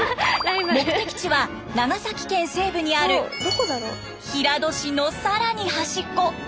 目的地は長崎県西部にある平戸市の更に端っこ宮ノ浦です。